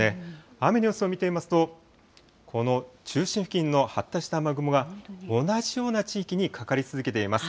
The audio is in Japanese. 雨の様子を見てみますと、この中心付近の発達した雨雲が同じような地域にかかり続けています。